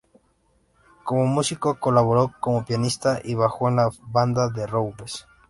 Como músico, colaboró como pianista y bajo en la banda The Rogues.